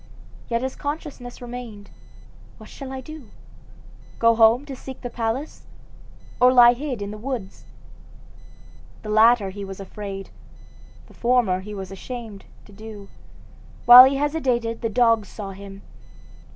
Yet his consciousness remained. What shall he do? go home to seek the palace, or lie hid in the woods? The latter he was afraid, the former he was ashamed, to do. While he hesitated the dogs saw him.